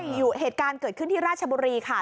อยู่เหตุการณ์เกิดขึ้นที่ราชบุรีค่ะ